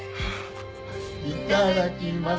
いただきます。